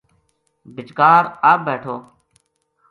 بِچکار آپ بیٹھو